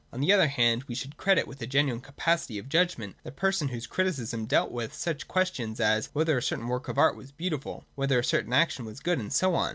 On the other hand we should credit with a genuine capacity of judgment the person whose criticisms dealt with such questions as whether a certain work of art was beautiful, whether a certain action was good, and so on.